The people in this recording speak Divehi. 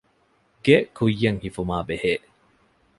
ގެ ކުއްޔަށް ހިފުމާބެހޭ